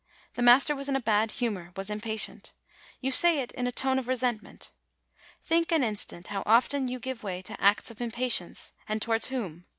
;< The master was in a bad humor, was impatient," you say it in a tone of resentment. Think an instant how often you give way to acts of im patience, and towards whom?